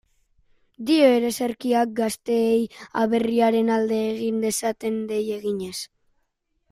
Dio ereserkiak, gazteei aberriaren alde egin dezaten dei eginez.